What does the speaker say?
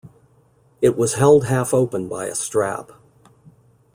It was held half open by a strap.